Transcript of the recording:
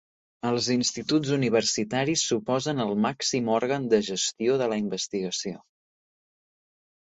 Els instituts universitaris suposen el màxim òrgan de gestió de la investigació.